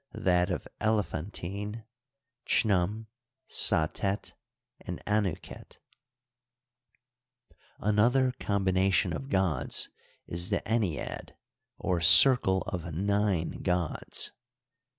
that of Elephantine : Chnum, Satet, and Anuket, Another combination of gods is the ennead^ or circle of nine gods.